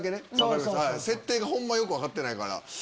設定がホンマよく分かってないから。